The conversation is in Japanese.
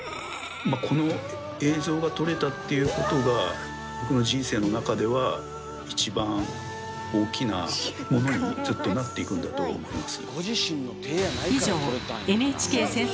この映像が撮れたっていうことが一番大きなものにずっとなっていくんだと思います。